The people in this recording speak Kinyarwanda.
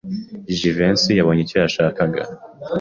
Jivency yabonye icyo yashakaga.